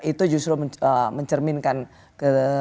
itu justru mencerminkan ke